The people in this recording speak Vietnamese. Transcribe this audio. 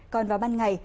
còn vào ban ngày